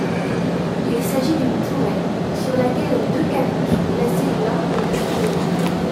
Il s'agit d'une tourelle sur laquelle deux canons sont placés l'un au-dessus de l'autre.